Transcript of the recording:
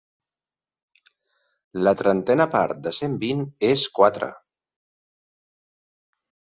La trentena part de cent vint és quatre.